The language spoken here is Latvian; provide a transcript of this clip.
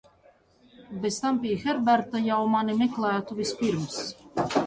Bez tam pie Herberta jau mani meklētu vispirms.